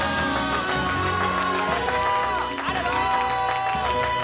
ありがとう！